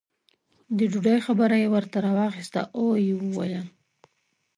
د ډوډۍ خبره یې ورته راواخسته او یې وویل.